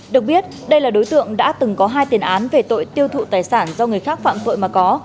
được biết đây là đối tượng đã từng có hai tiền án về tội tiêu thụ tài sản do người khác phạm tội mà có